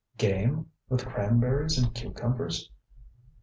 ŌĆ£Game? With cranberries and cucumbers!